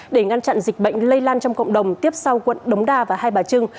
để ngăn chặn dịch bệnh lây lan trong cộng đồng tiếp sau quận đống đa và hai bà trưng